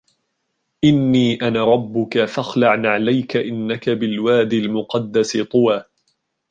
إني أنا ربك فاخلع نعليك إنك بالواد المقدس طوى